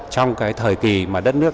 trong cái thời kỳ mà đất nước